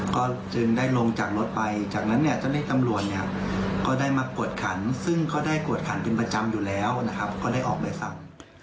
ก็จึงได้ลงจากรถไปจากนั้นเนี่ยเจ้าหน้าที่ตำรวจเนี่ยก็ได้มากวดขันซึ่งก็ได้กวดขันเป็นประจำอยู่แล้วนะครับก็ได้ออกใบสั่ง